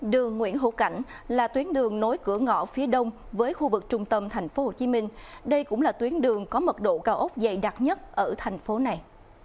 đường nguyễn hữu cảnh là tuyến đường nối cửa ngõ phía đông với khu vực trung tâm thành phố hồ chí minh đây cũng là tuyến đường có mật độ cao ốc dày đặc nhất ở thành phố này